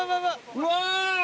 うわ！